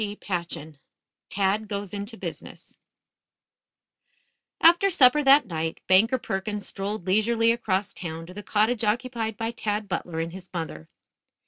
CHAPTER III TAD GOES INTO BUSINESS After supper, that night, Banker Perkins strolled leisurely across town to the cottage occupied by Tad Butler and his mother.